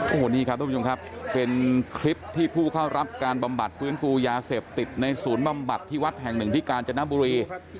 โอ้โหนี่ครับทุกผู้ชมครับเป็นคลิปที่ผู้เข้ารับการบำบัดฟื้นฟูยาเสพติดในศูนย์บำบัดที่วัดแห่งหนึ่งที่กาญจนบุรี